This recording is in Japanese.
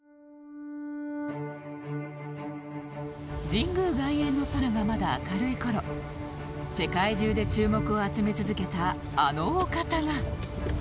神宮外苑の空がまだ明るい頃世界中で注目を集め続けたあのお方が